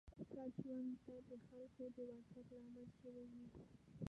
ګډ ژوند ته د خلکو د ورتګ لامل شوې وي